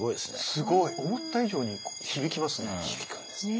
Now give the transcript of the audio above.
すごい。思った以上に響きますね。